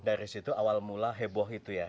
dari situ awal mula heboh itu ya